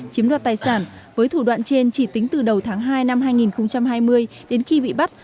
chiếm đoạt tài sản với thủ đoạn trên chỉ tính từ đầu tháng hai năm hai nghìn hai mươi đến khi bị bắt